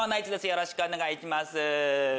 よろしくお願いします。